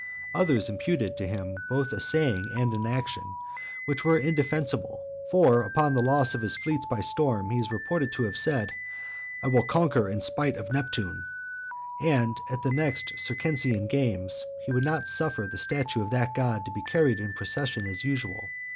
Others imputed to him both a saying and an action which were indefensible; for, upon the loss of his fleets by storm, he is reported to have said: "I will conquer in spite of Neptune;" and at the next Circensian games, he would not suffer the statue of that God to be carried in procession as usual.